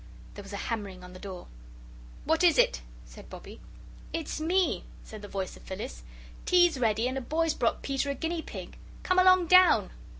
There was a hammering on the door. "What is it?" said Bobbie. "It's me," said the voice of Phyllis; "tea's ready, and a boy's brought Peter a guinea pig. Come along down."